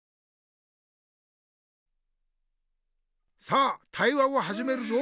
さあ対話をはじめるぞ。